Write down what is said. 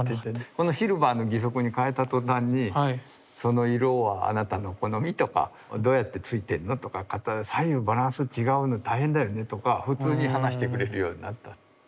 このシルバーの義足に変えた途端にその色はあなたの好み？とかどうやって着いてんの？とか左右バランス違うのに大変だよねとか普通に話してくれるようになった。